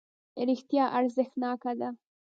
رښتیا ارزښتناکه ده.